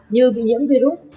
như bị nhiễm virus